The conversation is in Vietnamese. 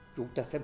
chúng ta sẽ